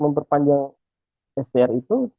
memperpanjang str itu